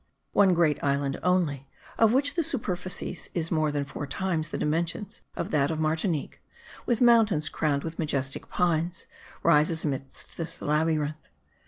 One great island only, of which the superficies is more than four times the dimensions of that of Martinique, with mountains crowned with majestic pines, rises amidst this labyrinth.